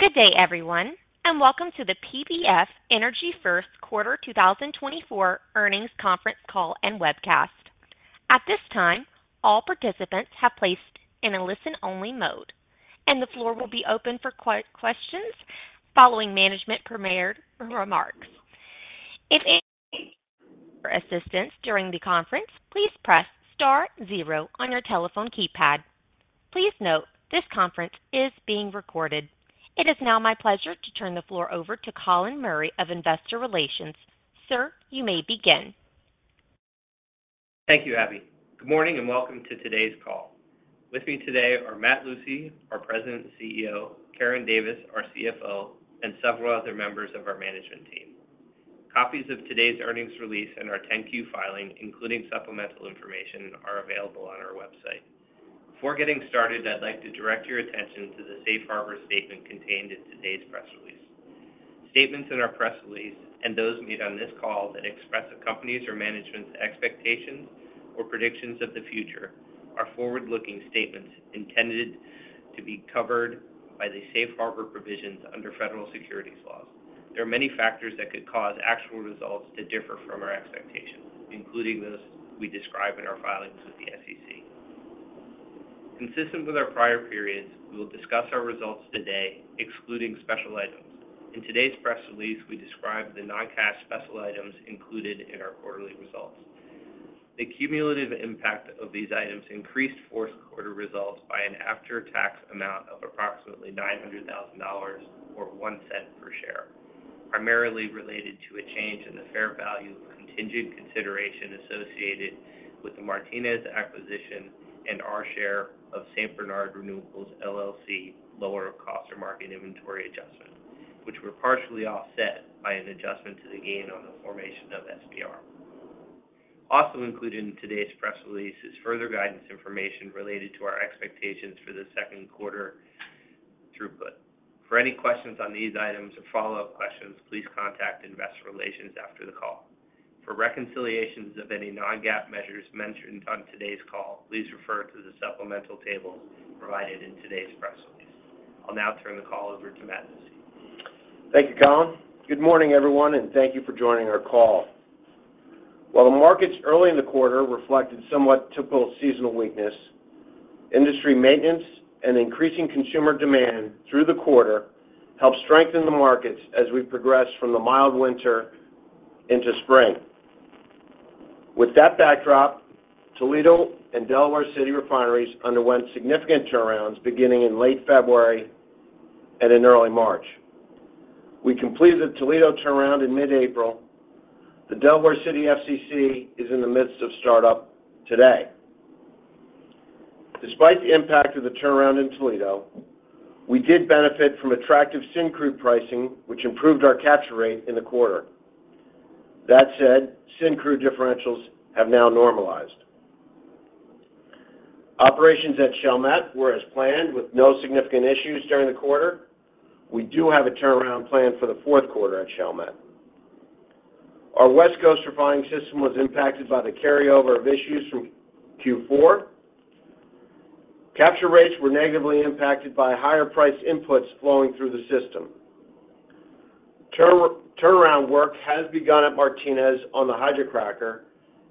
Good day, everyone, and welcome to the PBF Energy First Quarter 2024 earnings conference call and webcast. At this time, all participants have placed in a listen-only mode, and the floor will be open for questions following management prepared remarks. If any assistance during the conference, please press star zero on your telephone keypad. Please note, this conference is being recorded. It is now my pleasure to turn the floor over to Colin Murray of Investor Relations. Sir, you may begin. Thank you, Abby. Good morning and welcome to today's call. With me today are Matt Lucey, our President and CEO, Karen Davis, our CFO, and several other members of our management team. Copies of today's earnings release and our 10-Q filing, including supplemental information, are available on our website. Before getting started, I'd like to direct your attention to the Safe Harbor statement contained in today's press release. Statements in our press release and those made on this call that express a company's or management's expectations or predictions of the future are forward-looking statements intended to be covered by the Safe Harbor provisions under federal securities laws. There are many factors that could cause actual results to differ from our expectations, including those we describe in our filings with the SEC. Consistent with our prior periods, we will discuss our results today, excluding special items. In today's press release, we describe the non-cash special items included in our quarterly results. The cumulative impact of these items increased fourth quarter results by an after-tax amount of approximately $900,000 or $0.01 per share, primarily related to a change in the fair value of contingent consideration associated with the Martinez acquisition and our share of St. Bernard Renewables LLC lower-of-cost-or-market inventory adjustment, which were partially offset by an adjustment to the gain on the formation of SBR. Also included in today's press release is further guidance information related to our expectations for the second quarter throughput. For any questions on these items or follow-up questions, please contact Investor Relations after the call. For reconciliations of any non-GAAP measures mentioned on today's call, please refer to the supplemental tables provided in today's press release. I'll now turn the call over to Matt Lucey. Thank you, Colin. Good morning, everyone, and thank you for joining our call. While the markets early in the quarter reflected somewhat typical seasonal weakness, industry maintenance and increasing consumer demand through the quarter helped strengthen the markets as we progressed from the mild winter into spring. With that backdrop, Toledo and Delaware City refineries underwent significant turnarounds beginning in late February and in early March. We completed the Toledo turnaround in mid-April. The Delaware City FCC is in the midst of startup today. Despite the impact of the turnaround in Toledo, we did benefit from attractive Syncrude pricing, which improved our capture rate in the quarter. That said, Syncrude differentials have now normalized. Operations at Chalmette were as planned, with no significant issues during the quarter. We do have a turnaround planned for the fourth quarter at Chalmette. Our West Coast refining system was impacted by the carryover of issues from Q4. Capture rates were negatively impacted by higher price inputs flowing through the system. Turnaround work has begun at Martinez on the hydrocracker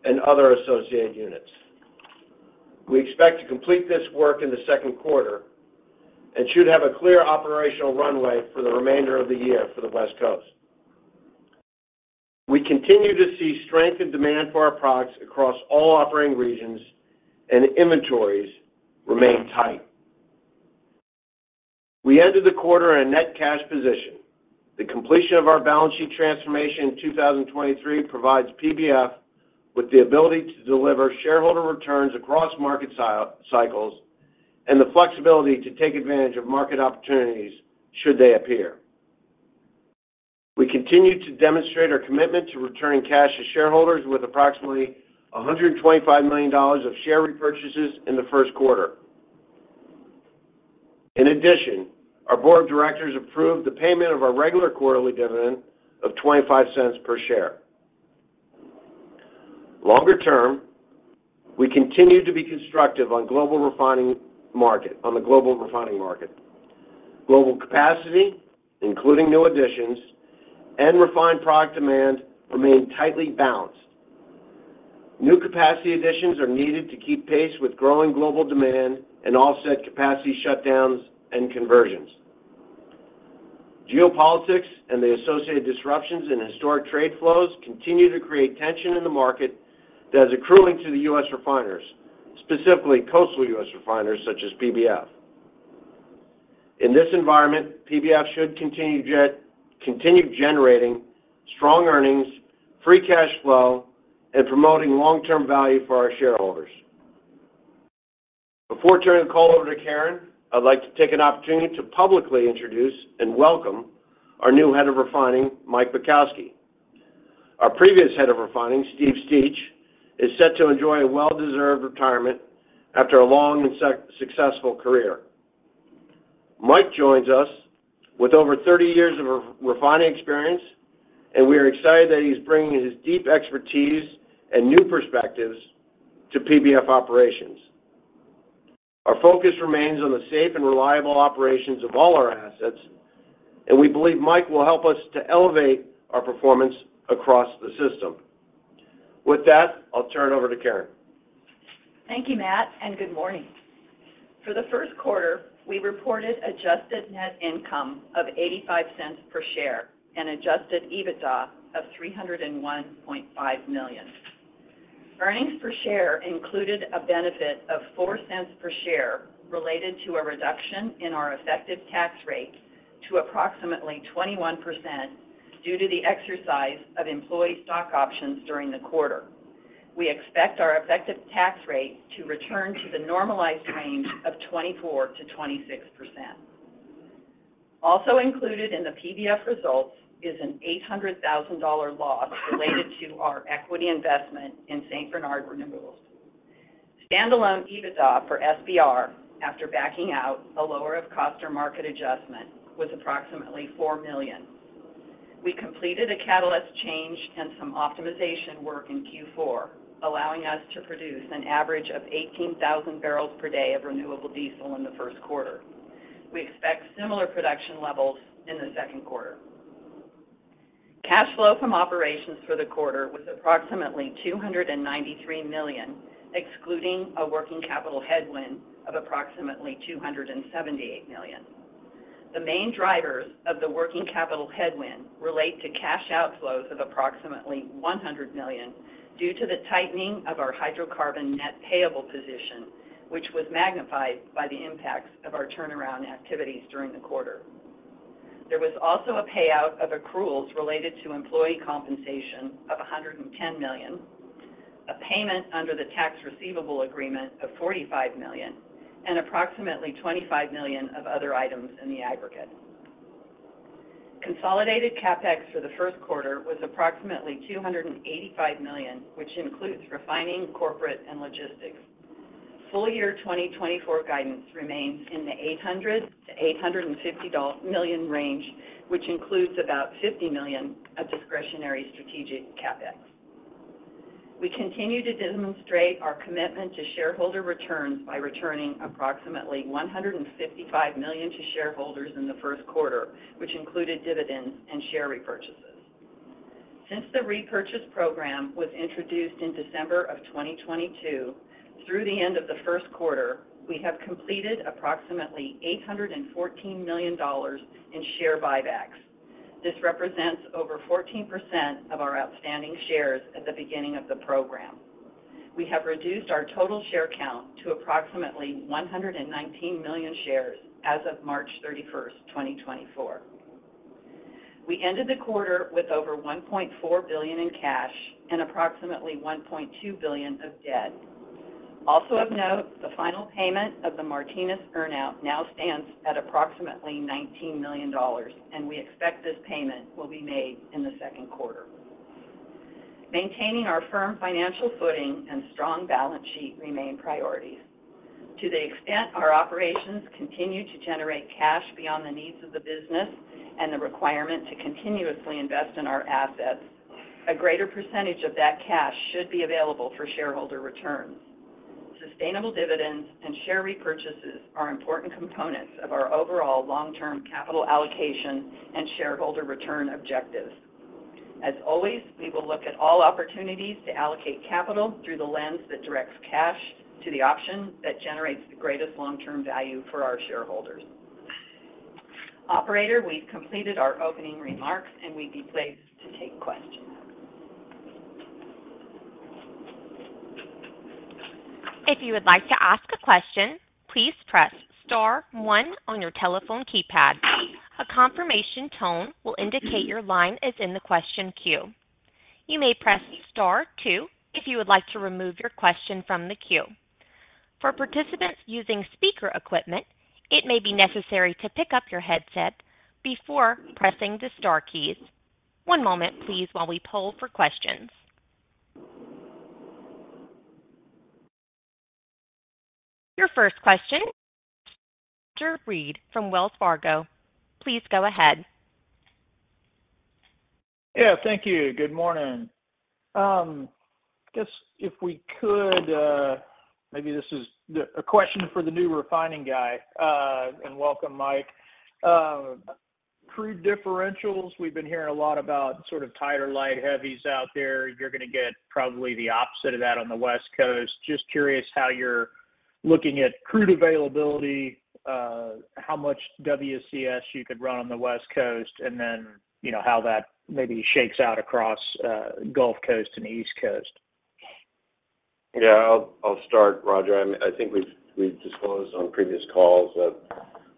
and other associated units. We expect to complete this work in the second quarter and should have a clear operational runway for the remainder of the year for the West Coast. We continue to see strengthened demand for our products across all operating regions, and inventories remain tight. We ended the quarter in a net cash position. The completion of our balance sheet transformation in 2023 provides PBF with the ability to deliver shareholder returns across market cycles and the flexibility to take advantage of market opportunities should they appear. We continue to demonstrate our commitment to returning cash to shareholders with approximately $125 million of share repurchases in the first quarter. In addition, our board of directors approved the payment of our regular quarterly dividend of $0.25 per share. Longer term, we continue to be constructive on the global refining market. Global capacity, including new additions and refined product demand, remain tightly balanced. New capacity additions are needed to keep pace with growing global demand and offset capacity shutdowns and conversions. Geopolitics and the associated disruptions in historic trade flows continue to create tension in the market that is accruing to the U.S. refiners, specifically coastal U.S. refiners such as PBF. In this environment, PBF should continue generating strong earnings, free cash flow, and promoting long-term value for our shareholders. Before turning the call over to Karen, I'd like to take an opportunity to publicly introduce and welcome our new head of refining, Mike Bukowski. Our previous head of refining, Steve Steach, is set to enjoy a well-deserved retirement after a long and successful career. Mike joins us with over 30 years of refining experience, and we are excited that he's bringing his deep expertise and new perspectives to PBF operations. Our focus remains on the safe and reliable operations of all our assets, and we believe Mike will help us to elevate our performance across the system. With that, I'll turn it over to Karen. Thank you, Matt, and good morning. For the first quarter, we reported adjusted net income of $0.85 per share and Adjusted EBITDA of $301.5 million. Earnings per share included a benefit of $0.04 per share related to a reduction in our effective tax rate to approximately 21% due to the exercise of employee stock options during the quarter. We expect our effective tax rate to return to the normalized range of 24%-26%. Also included in the PBF results is an $800,000 loss related to our equity investment in St. Bernard Renewables. Standalone EBITDA for SBR, after backing out a lower of cost-or-market adjustment, was approximately $4 million. We completed a catalyst change and some optimization work in Q4, allowing us to produce an average of 18,000 barrels per day of renewable diesel in the first quarter. We expect similar production levels in the second quarter. Cash flow from operations for the quarter was approximately $293 million, excluding a working capital headwind of approximately $278 million. The main drivers of the working capital headwind relate to cash outflows of approximately $100 million due to the tightening of our hydrocarbon net payable position, which was magnified by the impacts of our turnaround activities during the quarter. There was also a payout of accruals related to employee compensation of $110 million, a payment under the Tax Receivable Agreement of $45 million, and approximately $25 million of other items in the aggregate. Consolidated CapEx for the first quarter was approximately $285 million, which includes refining, corporate, and logistics. Full year 2024 guidance remains in the $800 million-$850 million range, which includes about $50 million of discretionary strategic CapEx. We continue to demonstrate our commitment to shareholder returns by returning approximately $155 million to shareholders in the first quarter, which included dividends and share repurchases. Since the repurchase program was introduced in December of 2022, through the end of the first quarter, we have completed approximately $814 million in share buybacks. This represents over 14% of our outstanding shares at the beginning of the program. We have reduced our total share count to approximately 119 million shares as of March 31st, 2024. We ended the quarter with over $1.4 billion in cash and approximately $1.2 billion of debt. Also of note, the final payment of the Martinez earnout now stands at approximately $19 million, and we expect this payment will be made in the second quarter. Maintaining our firm financial footing and strong balance sheet remain priorities. To the extent our operations continue to generate cash beyond the needs of the business and the requirement to continuously invest in our assets, a greater percentage of that cash should be available for shareholder returns. Sustainable dividends and share repurchases are important components of our overall long-term capital allocation and shareholder return objectives. As always, we will look at all opportunities to allocate capital through the lens that directs cash to the option that generates the greatest long-term value for our shareholders. Operator, we've completed our opening remarks, and we'd be pleased to take questions. If you would like to ask a question, please press star one on your telephone keypad. A confirmation tone will indicate your line is in the question queue. You may press star two if you would like to remove your question from the queue. For participants using speaker equipment, it may be necessary to pick up your headset before pressing the star keys. One moment, please, while we poll for questions. Your first question is from Roger Read from Wells Fargo. Please go ahead. Yeah, thank you. Good morning. I guess if we could maybe this is a question for the new refining guy. And welcome, Mike. Crude differentials, we've been hearing a lot about sort of tighter light heavies out there. You're going to get probably the opposite of that on the West Coast. Just curious how you're looking at crude availability, how much WCS you could run on the West Coast, and then how that maybe shakes out across Gulf Coast and East Coast. Yeah, I'll start, Roger. I think we've disclosed on previous calls that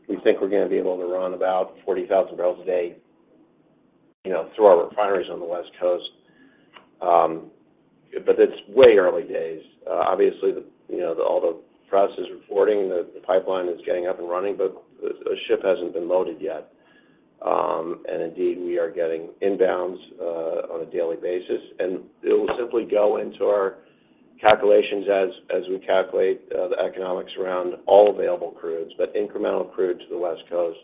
we think we're going to be able to run about 40,000 barrels a day through our refineries on the West Coast. But it's way early days. Obviously, all the press is reporting, the pipeline is getting up and running, but a ship hasn't been loaded yet. And indeed, we are getting inbounds on a daily basis. And it will simply go into our calculations as we calculate the economics around all available crudes. But incremental crude to the West Coast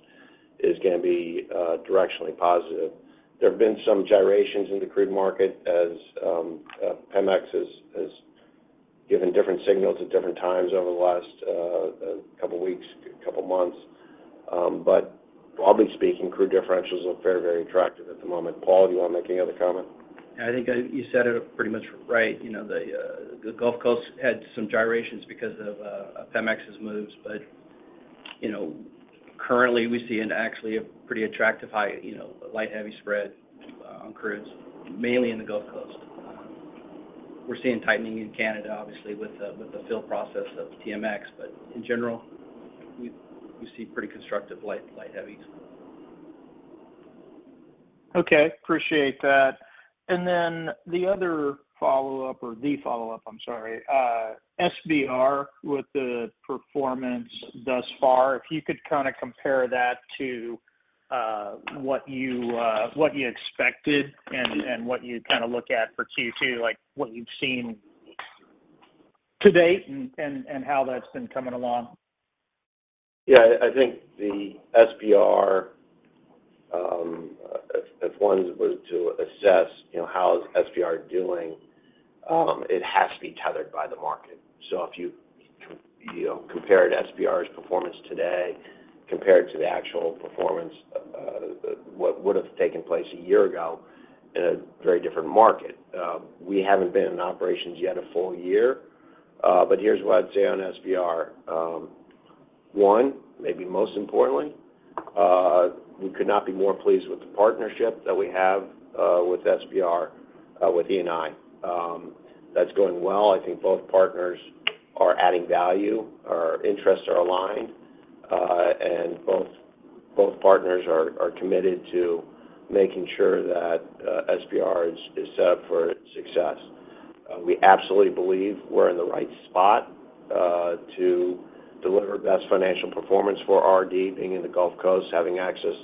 is going to be directionally positive. There have been some gyrations in the crude market as Pemex has given different signals at different times over the last couple of weeks, couple of months. But broadly speaking, crude differentials look very, very attractive at the moment. Paul, do you want to make any other comment? Yeah, I think you said it pretty much right. The Gulf Coast had some gyrations because of Pemex's moves, but currently, we see actually a pretty attractive light heavy spread on crudes, mainly in the Gulf Coast. We're seeing tightening in Canada, obviously, with the fill process of TMX. But in general, we see pretty constructive light heavies. Okay, appreciate that. And then the other follow-up or the follow-up, I'm sorry, SBR with the performance thus far, if you could kind of compare that to what you expected and what you kind of look at for Q2, what you've seen to date and how that's been coming along. Yeah, I think the SBR, if one's to assess how is SBR doing, it has to be tethered by the market. So if you compared SBR's performance today compared to the actual performance that would have taken place a year ago in a very different market, we haven't been in operations yet a full year. But here's what I'd say on SBR. One, maybe most importantly, we could not be more pleased with the partnership that we have with SBR, with Eni. That's going well. I think both partners are adding value. Our interests are aligned, and both partners are committed to making sure that SBR is set up for success. We absolutely believe we're in the right spot to deliver best financial performance for RD, being in the Gulf Coast, having access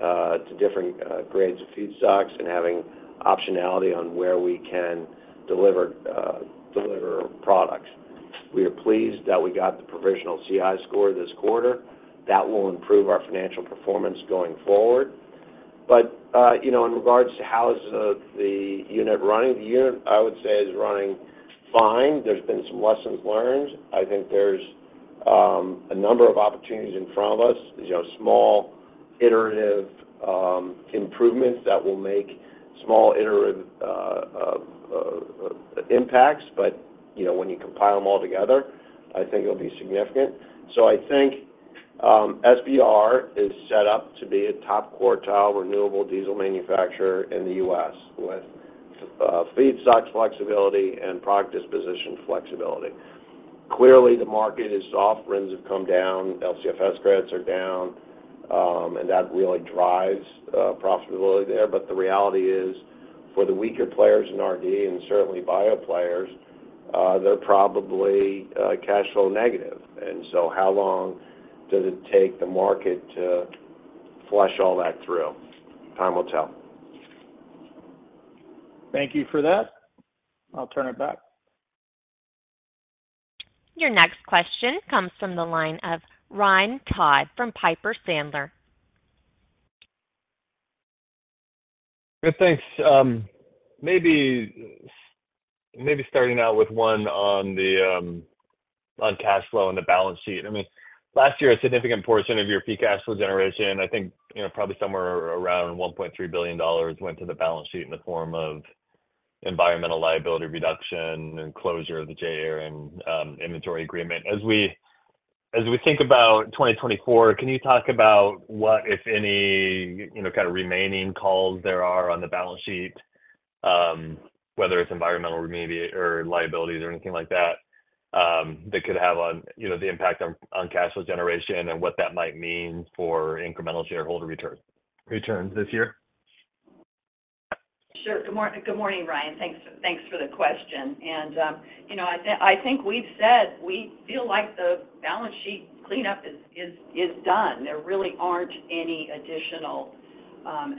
to different grades of feedstocks, and having optionality on where we can deliver products. We are pleased that we got the provisional CI score this quarter. That will improve our financial performance going forward. But in regards to how is the unit running, the unit, I would say, is running fine. There's been some lessons learned. I think there's a number of opportunities in front of us, small iterative improvements that will make small iterative impacts. But when you compile them all together, I think it'll be significant. So I think SBR is set up to be a top quartile renewable diesel manufacturer in the U.S. with feedstock flexibility and product disposition flexibility. Clearly, the market is soft. RINs have come down. LCFS credits are down, and that really drives profitability there. But the reality is, for the weaker players in R&D and certainly bio players, they're probably cash flow negative. How long does it take the market to flush all that through? Time will tell. Thank you for that. I'll turn it back. Your next question comes from the line of Ryan Todd from Piper Sandler. Good, thanks. Maybe starting out with one on cash flow and the balance sheet. I mean, last year, a significant portion of your free cash flow generation, I think probably somewhere around $1.3 billion, went to the balance sheet in the form of environmental liability reduction and closure of the J. Aron and inventory agreement. As we think about 2024, can you talk about what, if any, kind of remaining calls there are on the balance sheet, whether it's environmental liabilities or anything like that that could have the impact on cash flow generation and what that might mean for incremental shareholder returns this year? Sure. Good morning, Ryan. Thanks for the question. And I think we've said we feel like the balance sheet cleanup is done. There really aren't any additional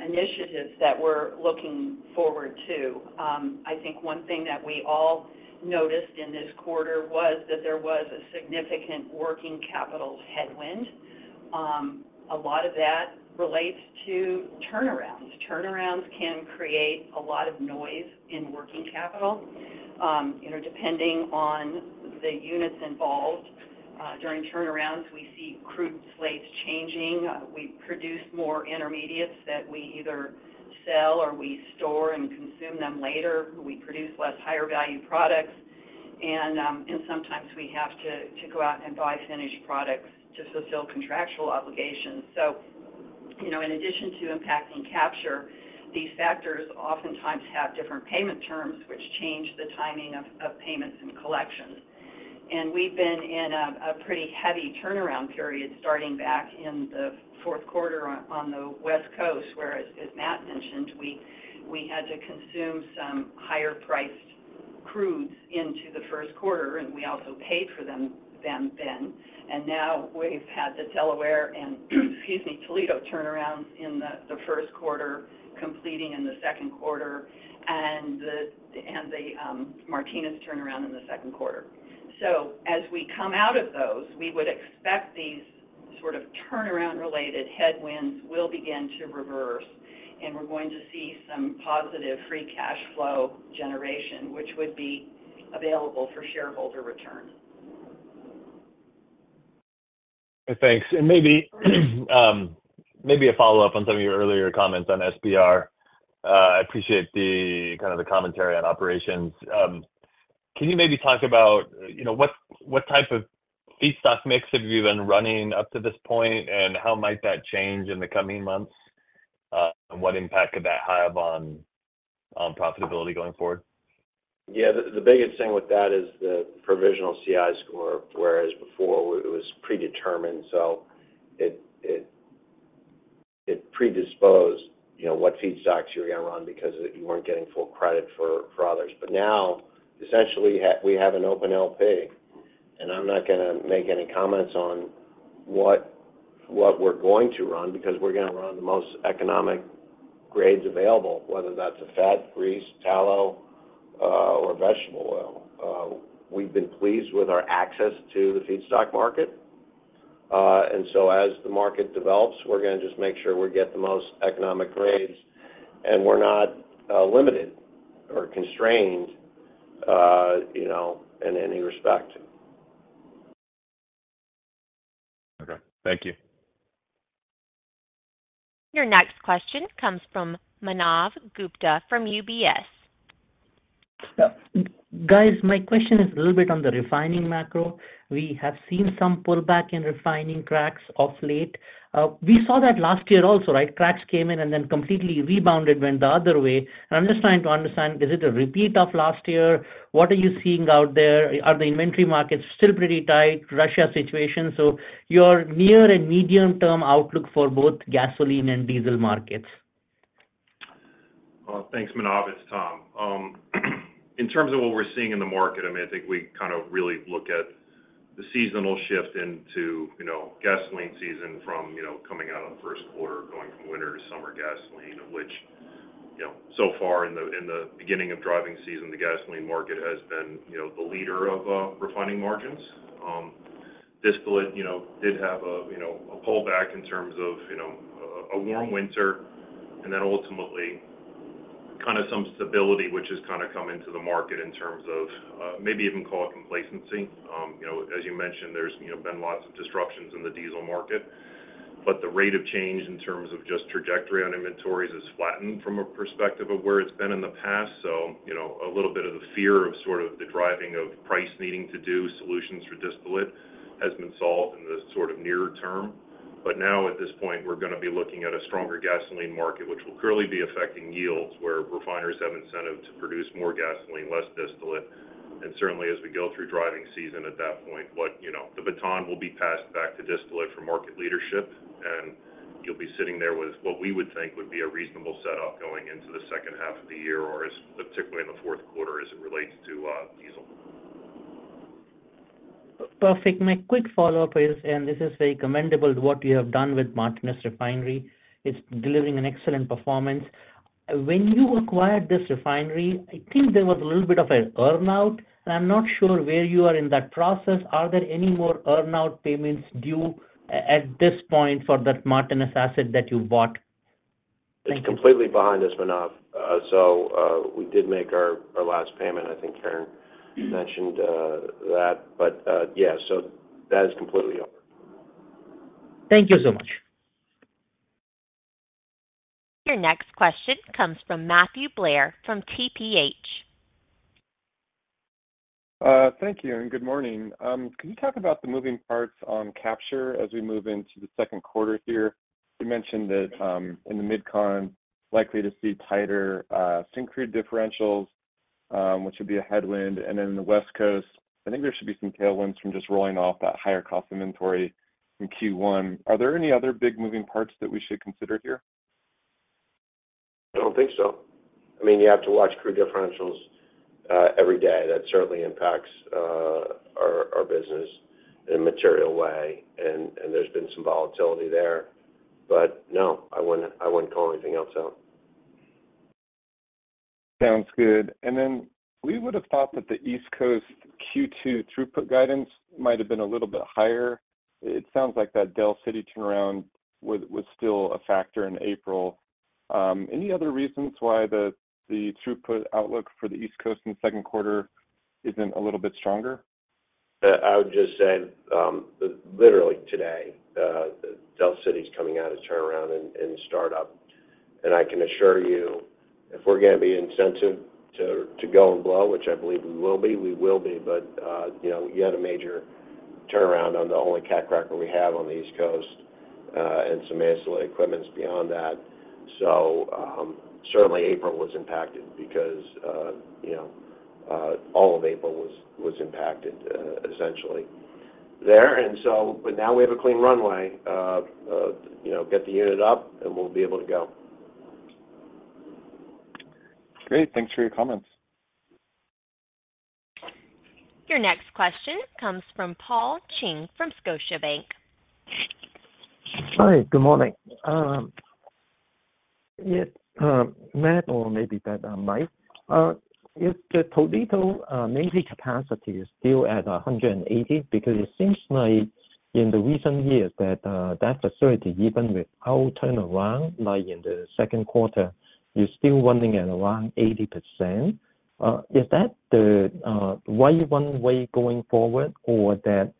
initiatives that we're looking forward to. I think one thing that we all noticed in this quarter was that there was a significant working capital headwind. A lot of that relates to turnarounds. Turnarounds can create a lot of noise in working capital. Depending on the units involved, during turnarounds, we see crude slates changing. We produce more intermediates that we either sell or we store and consume them later. We produce less higher value products, and sometimes we have to go out and buy finished products to fulfill contractual obligations. So in addition to impacting capture, these factors oftentimes have different payment terms, which change the timing of payments and collections. We've been in a pretty heavy turnaround period starting back in the fourth quarter on the West Coast, where, as Matt mentioned, we had to consume some higher priced crudes into the first quarter, and we also paid for them then. Now we've had the Delaware and, excuse me, Toledo turnarounds in the first quarter completing in the second quarter and the Martinez turnaround in the second quarter. As we come out of those, we would expect these sort of turnaround-related headwinds will begin to reverse, and we're going to see some positive free cash flow generation, which would be available for shareholder returns. Thanks. And maybe a follow-up on some of your earlier comments on SBR. I appreciate kind of the commentary on operations. Can you maybe talk about what type of feedstock mix have you been running up to this point, and how might that change in the coming months? And what impact could that have on profitability going forward? Yeah, the biggest thing with that is the provisional CI score, whereas before, it was predetermined. So it predisposed what feedstocks you were going to run because you weren't getting full credit for others. But now, essentially, we have an open LP, and I'm not going to make any comments on what we're going to run because we're going to run the most economic grades available, whether that's a fat, grease, tallow, or vegetable oil. We've been pleased with our access to the feedstock market. And so as the market develops, we're going to just make sure we get the most economic grades, and we're not limited or constrained in any respect. Okay. Thank you. Your next question comes from Manav Gupta from UBS. Guys, my question is a little bit on the refining macro. We have seen some pullback in refining cracks of late. We saw that last year also, right? Cracks came in and then completely rebounded, went the other way. And I'm just trying to understand, is it a repeat of last year? What are you seeing out there? Are the inventory markets still pretty tight? Russia situation. So your near- and medium-term outlook for both gasoline and diesel markets. Well, thanks, Manav, it's Tom. In terms of what we're seeing in the market, I mean, I think we kind of really look at the seasonal shift into gasoline season from coming out of the first quarter, going from winter to summer gasoline, of which, so far, in the beginning of driving season, the gasoline market has been the leader of refining margins. Distillate did have a pullback in terms of a warm winter and then ultimately kind of some stability, which has kind of come into the market in terms of maybe even call it complacency. As you mentioned, there's been lots of disruptions in the diesel market, but the rate of change in terms of just trajectory on inventories has flattened from a perspective of where it's been in the past. A little bit of the fear of sort of the driving of price needing to do solutions for distillate has been solved in the sort of near term. Now, at this point, we're going to be looking at a stronger gasoline market, which will clearly be affecting yields where refiners have incentive to produce more gasoline, less distillate. Certainly, as we go through driving season at that point, the baton will be passed back to distillate for market leadership, and you'll be sitting there with what we would think would be a reasonable setup going into the second half of the year, particularly in the fourth quarter, as it relates to diesel. Perfect. My quick follow-up is, and this is very commendable, what you have done with Martinez refinery. It's delivering an excellent performance. When you acquired this refinery, I think there was a little bit of an earnout, and I'm not sure where you are in that process. Are there any more earnout payments due at this point for that Martinez asset that you bought? It's completely behind us, Manav. So we did make our last payment. I think Karen mentioned that. But yeah, so that is completely over. Thank you so much. Your next question comes from Matthew Blair from TPH. Thank you and good morning. Could you talk about the moving parts on capture as we move into the second quarter here? You mentioned that in the Mid-Con likely to see tighter Syncrude differentials, which would be a headwind. And then in the West Coast, I think there should be some tailwinds from just rolling off that higher cost inventory in Q1. Are there any other big moving parts that we should consider here? I don't think so. I mean, you have to watch crude differentials every day. That certainly impacts our business in a material way, and there's been some volatility there. But no, I wouldn't call anything else out. Sounds good. And then we would have thought that the East Coast Q2 throughput guidance might have been a little bit higher. It sounds like that Delaware City turnaround was still a factor in April. Any other reasons why the throughput outlook for the East Coast in the second quarter isn't a little bit stronger? I would just say, literally today, Delaware City's coming out of turnaround and startup. And I can assure you, if we're going to be incentive to go and blow, which I believe we will be, we will be. But you had a major turnaround on the only cat cracker we have on the East Coast and some ancillary equipment beyond that. So certainly, April was impacted because all of April was impacted, essentially, there. But now we have a clean runway. Get the unit up, and we'll be able to go. Great. Thanks for your comments. Your next question comes from Paul Cheng from Scotiabank. Hi. Good morning. Matt, or maybe Matt, Mike, is the Toledo nameplate capacity still at 180? Because it seems like in the recent years that that facility, even without turnaround in the second quarter, is still running at around 80%. Is that the right run rate going forward, or is that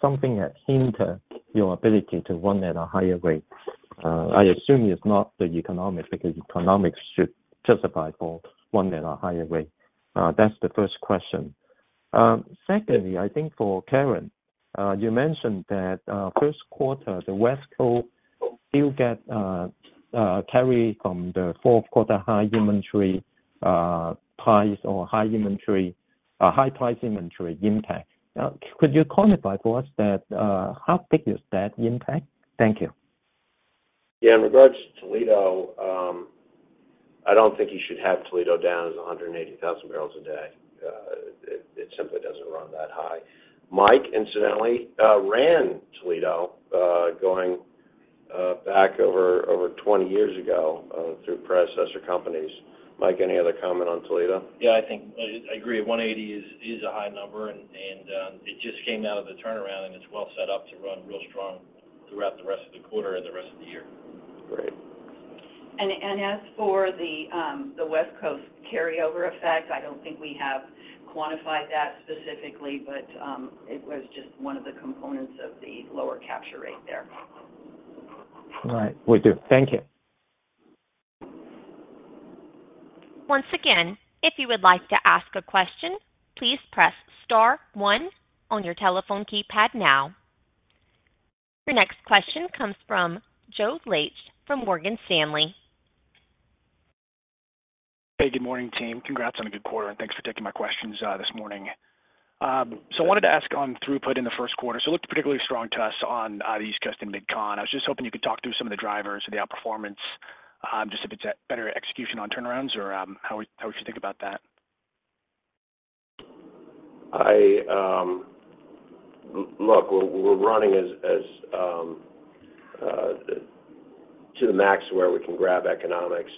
something that hinder your ability to run at a higher rate? I assume it's not the economics because economics should justify for running at a higher rate. That's the first question. Secondly, I think for Karen, you mentioned that first quarter, the West Coast still got carry from the fourth quarter high inventory price or high-priced inventory impact. Could you quantify for us how big is that impact? Thank you. Yeah, in regards to Toledo, I don't think you should have Toledo down as 180,000 barrels a day. It simply doesn't run that high. Mike, incidentally, ran Toledo going back over 20 years ago through predecessor companies. Mike, any other comment on Toledo? Yeah, I agree. 180 is a high number, and it just came out of the turnaround, and it's well set up to run real strong throughout the rest of the quarter and the rest of the year. Great. As for the West Coast carryover effect, I don't think we have quantified that specifically, but it was just one of the components of the lower capture rate there. All right. We do. Thank you. Once again, if you would like to ask a question, please press star one on your telephone keypad now. Your next question comes from Joe Laetsch from Morgan Stanley. Hey, good morning, team. Congrats on a good quarter, and thanks for taking my questions this morning. So I wanted to ask on throughput in the first quarter. So it looked particularly strong to us on the East Coast and mid-con. I was just hoping you could talk through some of the drivers of the outperformance, just if it's better execution on turnarounds or how we should think about that? Look, we're running to the max where we can grab economics.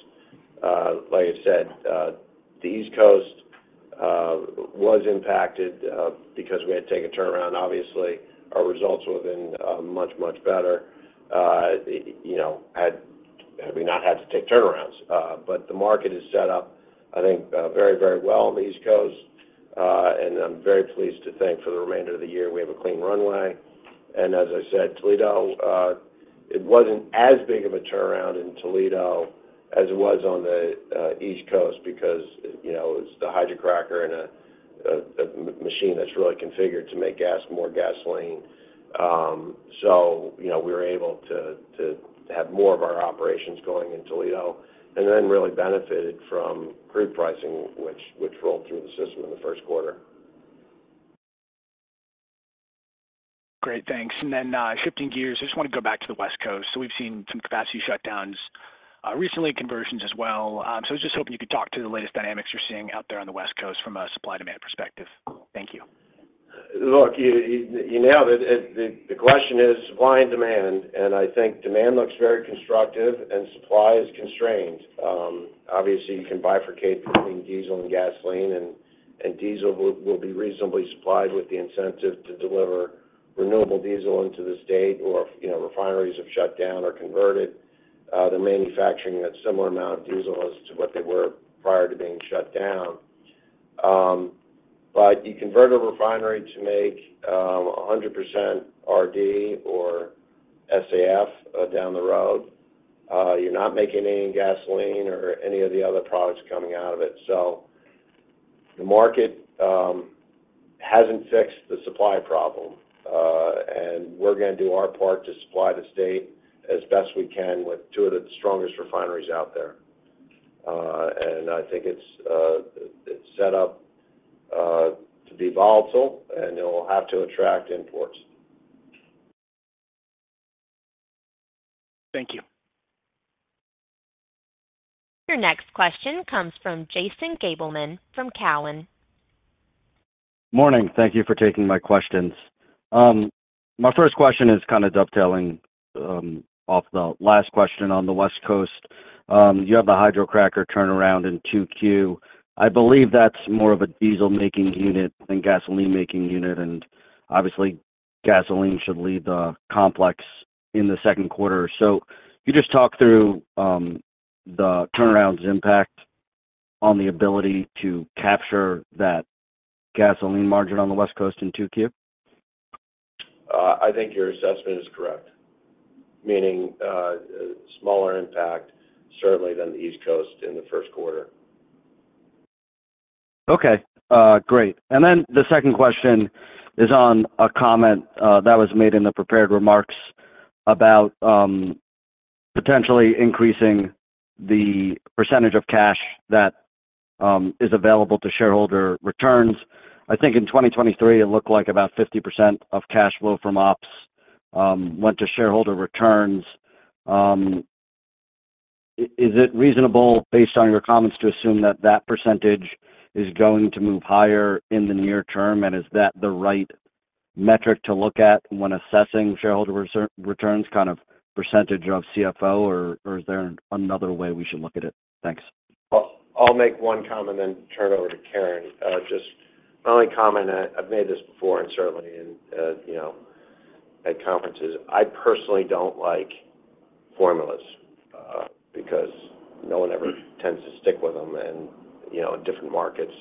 Like I said, the East Coast was impacted because we had taken turnaround. Obviously, our results would have been much, much better had we not had to take turnarounds. But the market is set up, I think, very, very well on the East Coast, and I'm very pleased to think for the remainder of the year, we have a clean runway. And as I said, Toledo, it wasn't as big of a turnaround in Toledo as it was on the East Coast because it was the hydrocracker and a machine that's really configured to make more gasoline. So we were able to have more of our operations going in Toledo and then really benefited from crude pricing, which rolled through the system in the first quarter. Great. Thanks. And then shifting gears, I just want to go back to the West Coast. So we've seen some capacity shutdowns recently, conversions as well. So I was just hoping you could talk to the latest dynamics you're seeing out there on the West Coast from a supply-demand perspective. Thank you. Look, the question is supply and demand, and I think demand looks very constructive and supply is constrained. Obviously, you can bifurcate between diesel and gasoline, and diesel will be reasonably supplied with the incentive to deliver renewable diesel into the state or if refineries have shut down or converted, they're manufacturing a similar amount of diesel as to what they were prior to being shut down. But you convert a refinery to make 100% RD or SAF down the road, you're not making any gasoline or any of the other products coming out of it. So the market hasn't fixed the supply problem, and we're going to do our part to supply the state as best we can with two of the strongest refineries out there. And I think it's set up to be volatile, and it'll have to attract imports. Thank you. Your next question comes from Jason Gabelman from TD Cowen. Morning. Thank you for taking my questions. My first question is kind of dovetailing off the last question on the West Coast. You have the hydrocracker turnaround in 2Q. I believe that's more of a diesel-making unit than gasoline-making unit, and obviously, gasoline should lead the complex in the second quarter. So could you just talk through the turnaround's impact on the ability to capture that gasoline margin on the West Coast in 2Q? I think your assessment is correct, meaning smaller impact, certainly, than the East Coast in the first quarter. Okay. Great. And then the second question is on a comment that was made in the prepared remarks about potentially increasing the percentage of cash that is available to shareholder returns. I think in 2023, it looked like about 50% of cash flow from ops went to shareholder returns. Is it reasonable, based on your comments, to assume that that percentage is going to move higher in the near term, and is that the right metric to look at when assessing shareholder returns, kind of percentage of CFO, or is there another way we should look at it? Thanks. I'll make one comment and then turn over to Karen. Just my only comment, I've made this before, and certainly at conferences, I personally don't like formulas because no one ever tends to stick with them. In different markets,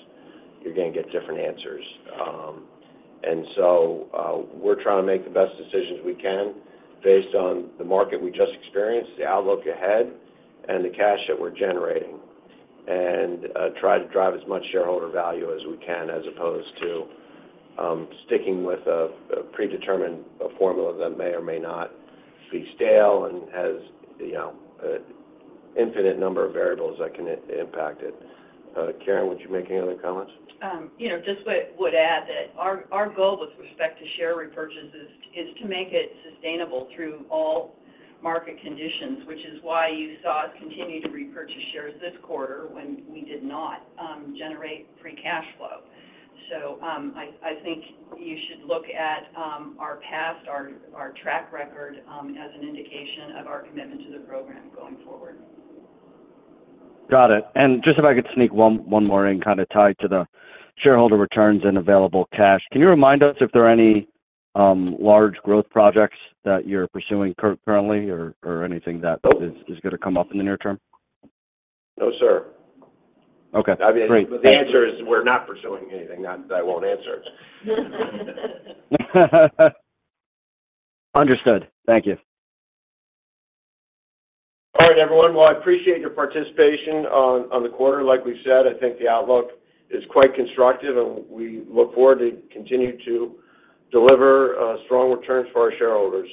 you're going to get different answers. So we're trying to make the best decisions we can based on the market we just experienced, the outlook ahead, and the cash that we're generating, and try to drive as much shareholder value as we can as opposed to sticking with a predetermined formula that may or may not be stale and has an infinite number of variables that can impact it. Karen, would you make any other comments? Just would add that our goal with respect to share repurchases is to make it sustainable through all market conditions, which is why you saw us continue to repurchase shares this quarter when we did not generate free cash flow. So I think you should look at our past, our track record, as an indication of our commitment to the program going forward. Got it. And just if I could sneak one more in, kind of tied to the shareholder returns and available cash, can you remind us if there are any large growth projects that you're pursuing currently or anything that is going to come up in the near term? No, sir. Okay. Great. I mean, the answer is we're not pursuing anything that I won't answer. Understood. Thank you. All right, everyone. Well, I appreciate your participation on the quarter. Like we said, I think the outlook is quite constructive, and we look forward to continuing to deliver strong returns for our shareholders.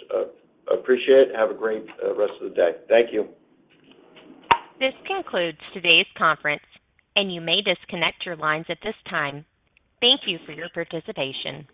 Appreciate it. Have a great rest of the day. Thank you. This concludes today's conference, and you may disconnect your lines at this time. Thank you for your participation.